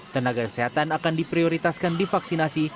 tenaga kesehatan akan diprioritaskan divaksinasi